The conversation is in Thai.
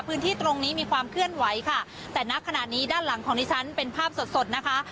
พื้นที่ตรงนี้มีความเคลื่อนไหวค่ะแต่นักขณะนี้ด้านหลังของดิฉันเป็นภาพสดสดนะคะ